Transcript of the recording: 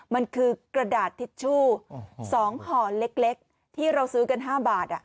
มันคือกระดาษทิชชู่๒ห่อเล็กที่เราซื้อกัน๕บาท